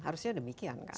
harusnya demikian kan